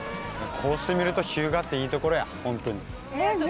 こうして見ると日向っていいところや本当に。